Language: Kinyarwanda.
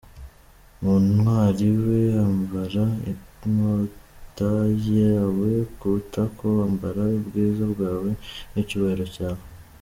Wa ntwari we, ambara inkota yawe ku itako, Ambara ubwiza bwawe n’icyubahiro cyawe.